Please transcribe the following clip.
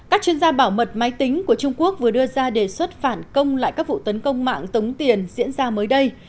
các chuyên gia bảo mật máy tính của trung quốc vừa đưa ra đề xuất phản công lại các vụ tấn công mạng tống tiền diễn ra mới đây